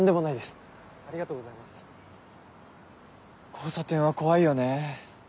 交差点は怖いよね。